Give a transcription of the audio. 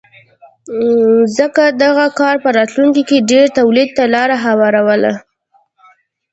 ځکه دغه کار په راتلونکې کې ډېر تولید ته لار هواروله